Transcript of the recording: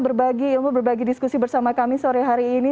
berbagi ilmu berbagi diskusi bersama kami sore hari ini